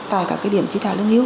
tại các điểm chi trả lương hưu